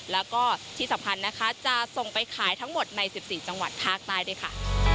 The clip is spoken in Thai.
แล้วก็ที่สำคัญนะคะจะส่งไปขายทั้งหมดใน๑๔จังหวัดภาคใต้ด้วยค่ะ